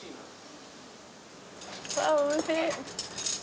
わあおいしい。